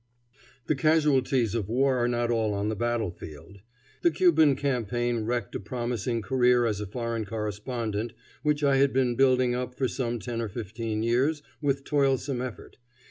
The casualties of war are not all on the battlefield. The Cuban campaign wrecked a promising career as a foreign correspondent which I had been building up for some ten or fifteen years with toilsome effort.